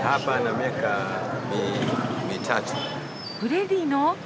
フレディの！？